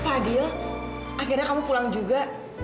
fadil akhirnya kamu pulang juga